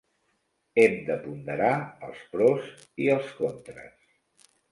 Hem de ponderar els pros i els contres.